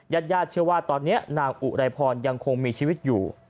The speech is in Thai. ญาติญาติเชื่อว่าตอนนี้นางอุไรพรยังคงมีชีวิตอยู่